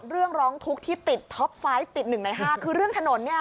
เรื่องร้องทุกที่ติดท็อปไฟล์ติดหนึ่งในห้าคือเรื่องถนน